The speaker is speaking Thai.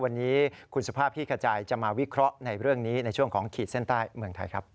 วันนี้คุณสุภาพขี้กระจายจะมาวิเคราะห์ในเรื่องนี้ในช่วงของขีดเส้นใต้เมืองไทยครับ